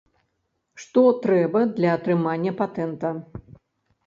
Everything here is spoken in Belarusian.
Што трэба для атрымання патэнта?